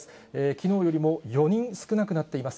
きのうよりも４人少なくなっています。